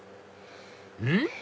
うん？